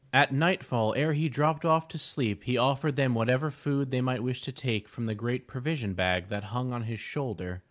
At nightfall, ere he dropped off to sleep, he offered them whatever food they might wish to take from the great provision bag that hung on his shoulder.